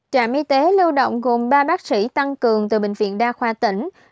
trạm y tế lưu động gồm ba bác sĩ tăng cường từ bệnh viện đa khoa tỉnh